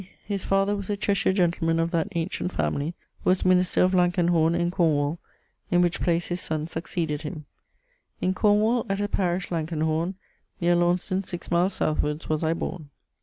D. his father[CU] was a Cheshire gentleman of that ancient family; was minister of Lankenhorn in Cornwall, in which place his sonne succeeded him 'In Cornwall at a parish Lankenhorn Neer Launceston six miles southwards was I born.'